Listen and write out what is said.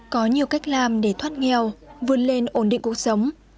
có nhiều cách làm để thoát nghèo vươn lên ổn định cuộc sống